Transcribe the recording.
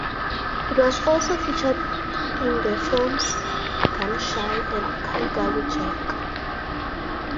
It was also featured in the films "Gun Shy" and "Kangaroo Jack".